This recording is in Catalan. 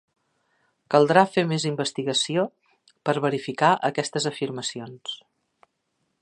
Caldrà fer més investigació per verificar aquestes afirmacions.